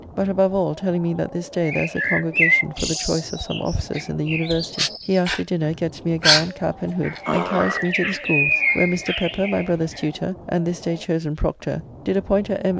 But, above all, telling me that this day there is a Congregation for the choice of some officers in the University, he after dinner gets me a gown, cap, and hood, and carries me to the Schooles, where Mr. Pepper, my brother's tutor, and this day chosen Proctor, did appoint a M.